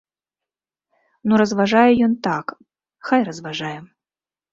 Ну разважае ён так, хай разважае.